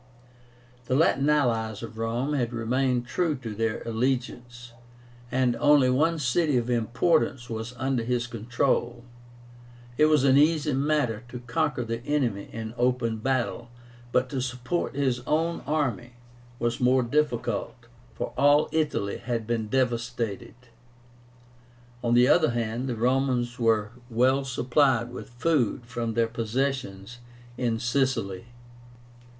The Latin allies of Rome had remained true to their allegiance, and only one city of importance was under his control. It was an easy matter to conquer the enemy in open battle, but to support his own army was more difficult, for all Italy had been devastated. On the other hand, the Romans were well supplied with food from their possessions in Sicily.